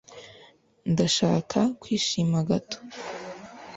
Ndashaka kwishima gato